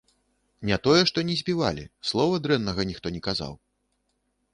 Не тое, што не збівалі, слова дрэннага ніхто не казаў!